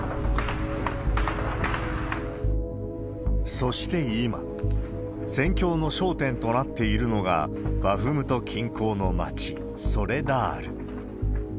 そして今、戦況の焦点となっているのが、バフムト近郊の町、ソレダール。